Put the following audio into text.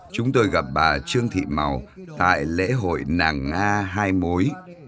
chúng tôi gặp bà trương thị màu tại lễ hội nàng nga hai mối